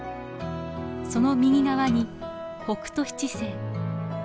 その右側に北斗七星。